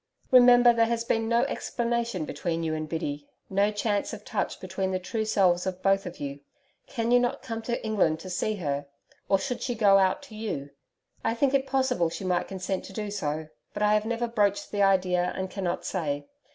Remember, there has been no explanation between you and Biddy no chance of touch between the true selves of both of you. Can you not come to England to see her? Or should she go out to you. I think it possible she might consent to do so, but have never broached the idea and cannot say.